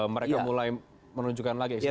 mereka mulai menunjukkan lagi